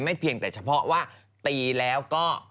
เพียงแต่เฉพาะว่าตีแล้วก็